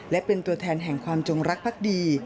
และเป็นตัวแทนแห่งความจงรักภักดี